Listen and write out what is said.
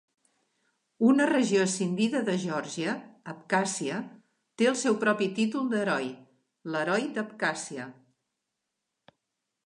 Una regió escindida de Geòrgia, Abkhàzia, té el seu propi títol d'heroi, l'"Heroi de Abkhàzia".